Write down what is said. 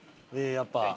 やっぱ。